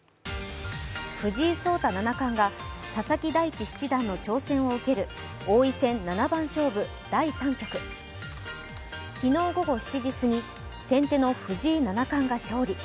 藤井聡太七冠が佐々木大地七段の挑戦を受ける王位戦七番勝負第３局昨日午後７時過ぎ、先手の藤井七冠が勝利。